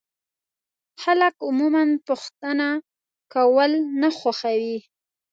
خلک عموما پوښتنه کول نه خوښوي.